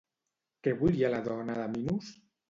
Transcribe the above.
Què volia la dona de Minos?